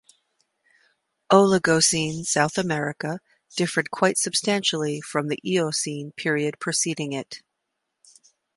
Oligocene South America differed quite substantially from the Eocene period preceding it.